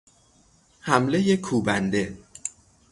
حملهی کوبنده